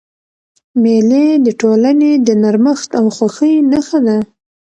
مېلې د ټولني د نرمښت او خوښۍ نخښه ده.